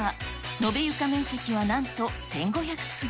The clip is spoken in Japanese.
延べ床面積はなんと１５００坪。